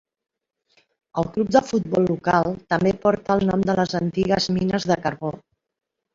El club de futbol local també porta el nom de les antigues mines de carbó.